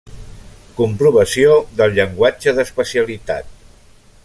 Comprovació del llenguatge d’especialitat.